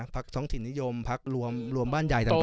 ท้องถิ่นนิยมพักรวมบ้านใหญ่ต่าง